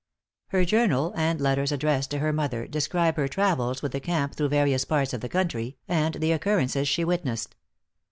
Her journal, and letters addressed to her mother, describe her travels with the camp through various parts of the country, and the occurrences she witnessed.